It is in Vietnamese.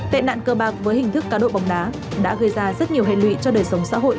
tệ nạn cơ bạc với hình thức cá độ bóng đá đã gây ra rất nhiều hệ lụy cho đời sống xã hội